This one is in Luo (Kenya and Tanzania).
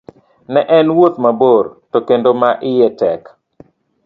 Ne en wuoth mabor to kendo ma iye tek